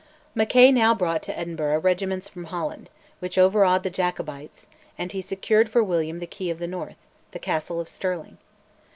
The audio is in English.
Mackay now brought to Edinburgh regiments from Holland, which overawed the Jacobites, and he secured for William the key of the north, the castle of Stirling.